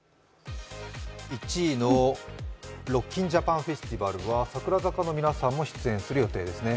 １位のＲＯＣＫＩＮＪＡＰＡＮＦＥＳＴＩＶＡＬは櫻坂の皆さんも出演する予定ですね？